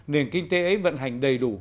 nền kinh tế ấy vận hành đầy đủ